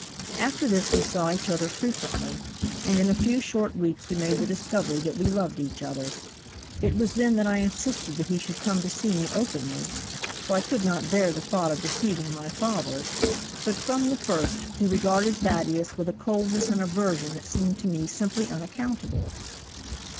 After this we saw each other frequently, and in a few short weeks we made the discovery that we loved each other. It was then that I insisted that he should come to see me openly, for I could not bear the thought of deceiving my father; but from the first he regarded Thaddeus with a coldness and aversion that seemed to me simply unaccountable.